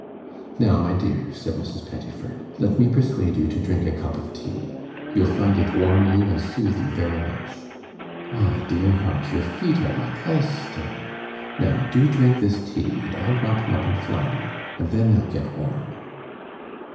'Now, my dear,' said Mrs. Pettifer, 'let me persuade you to drink a cup of tea; you'll find it warm you and soothe you very much. Why, dear heart, your feet are like ice still. Now, do drink this tea, and I'll wrap 'em up in flannel, and then they'll get warm.